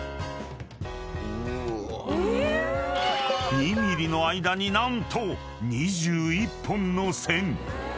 ［２ｍｍの間に何と２１本の線］